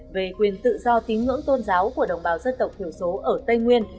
về quyền tự do tín ngưỡng tôn giáo của đồng bào dân tộc thiểu số ở tây nguyên